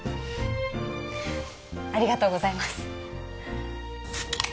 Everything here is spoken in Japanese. ありがとうございます